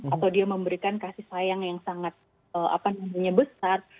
atau dia memberikan kasih sayang yang sangat besar